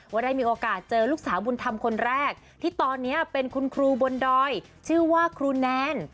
ว่าได้มีโอกาสเจอลูกสาวบุญธรรมคนแรกที่ตอนนี้เป็นคุณครูบนดอยชื่อว่าครูแนน